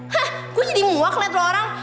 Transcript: hah gue jadi muak liat lo orang